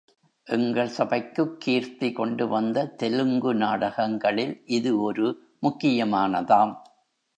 எங்கள் சபைக்குக் கீர்த்தி கொண்டு வந்த தெலுங்கு நாடகங்களில் இது ஒரு முக்கியமானதாம்.